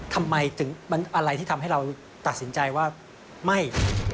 ทำไมถึงมันอะไรที่ทำให้เราตัดสินใจว่าไม่